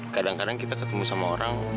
kadang kadang kita ketemu sama orang